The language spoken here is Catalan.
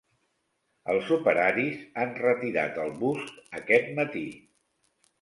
Els operaris han retirat el bust aquest matí